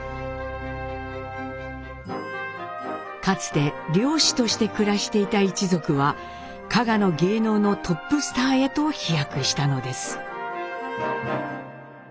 かつて漁師として暮らしていた一族は加賀の芸能のトップスターへと飛躍したのです。